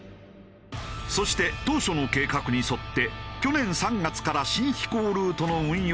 そして当初の計画に沿って去年３月から新飛行ルートの運用を開始。